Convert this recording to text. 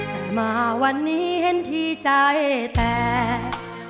แต่มาวันนี้เห็นที่ใจแตก